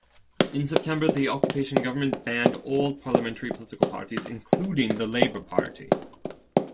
In September, the occupation government banned all parliamentary political parties, including the Labour party.